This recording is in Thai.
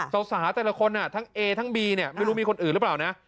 สาวแต่ละคนทั้งเอทั้งบีเนี่ยไม่รู้มีคนอื่นหรือเปล่านะ